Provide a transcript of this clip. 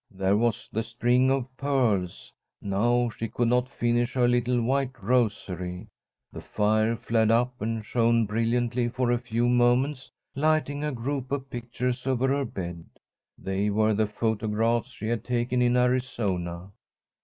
There was the string of pearls. Now she could not finish her little white rosary. The fire flared up and shone brilliantly for a few moments, lighting a group of pictures over her bed. They were the photographs she had taken in Arizona.